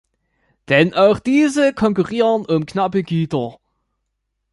Denn auch diese konkurrieren um knappe Güter.